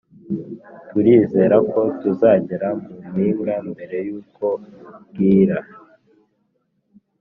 turizera ko tuzagera mu mpinga mbere yuko bwira.